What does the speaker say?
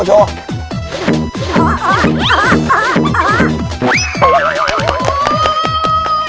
อ่าอ่าอ่าอ่าอ่า